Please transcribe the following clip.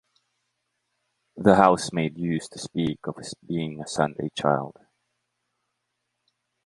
The housemaid used to speak of his being a Sunday child.